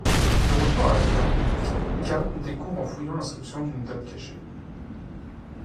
De retour à la ferme, K découvre en fouillant l'inscription d'une date cachée.